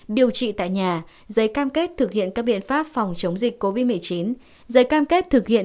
điều trị tại nhà giấy cam kết thực hiện các biện pháp phòng chống dịch covid một mươi chín giấy cam kết thực hiện